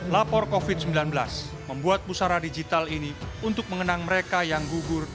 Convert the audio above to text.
lapor covid sembilan belas membuat pusara digital ini untuk mengenang mereka yang gugur